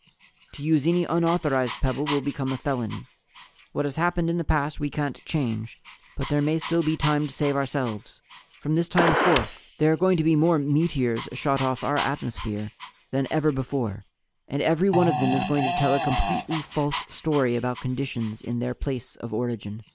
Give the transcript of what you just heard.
To use any unauthorized pebble will become a felony. What has happened in the past we can't change, but there may still be time to save ourselves. From this time forth there are going to be more 'meteors' shot off our atmosphere than ever before and every one of them is going to tell a completely false story about conditions in their place of origin.